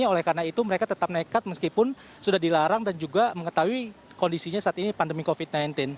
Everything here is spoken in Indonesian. oleh karena itu mereka tetap nekat meskipun sudah dilarang dan juga mengetahui kondisinya saat ini pandemi covid sembilan belas